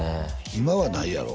今はないやろ？